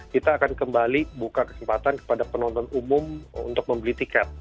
kita akan kembali buka kesempatan kepada penonton umum untuk membeli tiket